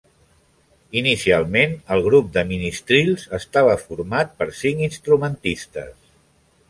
Inicialment el grup de ministrils estava format per cinc instrumentistes.